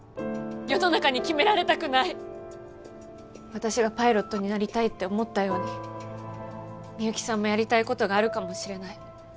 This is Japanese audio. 私がパイロットになりたいって思ったように美幸さんもやりたいことがあるかもしれない。